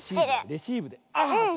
レシーブであっ！